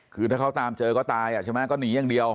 คือถ้าเขาตามเจอก็ตายใช่ไหมก็หนีอย่างเดียว